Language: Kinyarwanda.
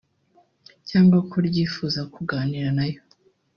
cyangwa ko ryifuza kuganira nayo